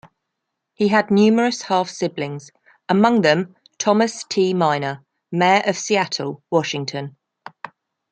He had numerous half-siblings, among them Thomas T. Minor, mayor of Seattle, Washington.